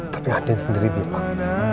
tapi andin sendiri bilang